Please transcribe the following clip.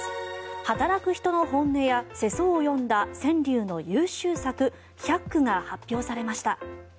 働く人の本音や世相を詠んだ川柳の優秀作１００句が発表されました。